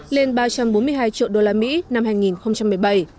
lên ba trăm bốn mươi hai triệu đô la mỹ năm hai nghìn một mươi bảy